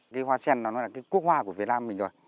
cái hoa sen nó là cái quốc hoa của việt nam mình rồi